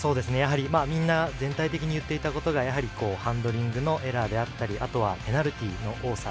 みんな全体的に言っていたことがハンドリングのエラーだったりあとは、ペナルティーの多さ。